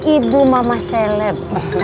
ibu mama seleb